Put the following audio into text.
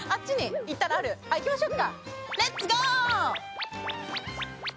行きましょうか。